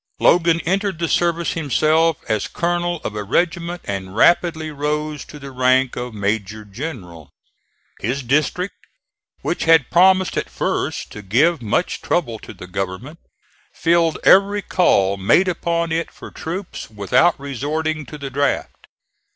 Logan entered the service himself as colonel of a regiment and rapidly rose to the rank of major general. His district, which had promised at first to give much trouble to the government, filled every call made upon it for troops, without resorting to the draft.